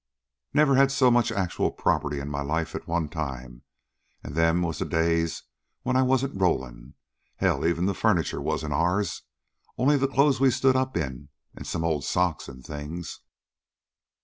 Never had so much actual property in my life at one time an' them was the days when I wasn't rollin'. Hell even the furniture wasn't ourn. Only the clothes we stood up in, an' some old socks an' things."